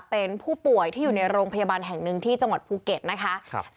เป็นผู้ป่วยที่อยู่ในโรงพยาบาลแห่งหนึ่งที่จังหวัดภูเก็ตนะคะ